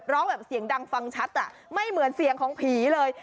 ร้องแบบเสียงดังฟังชัดอ่ะไม่เหมือนเสียงของผีเลย